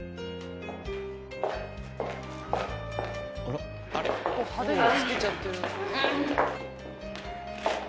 「あらっ」「派手なのつけちゃってる」